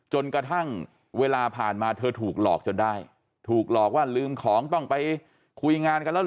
จนกระทั่งเวลาผ่านมาเธอถูกหลอกจนได้ถูกหลอกว่าลืมของต้องไปคุยงานกันแล้ว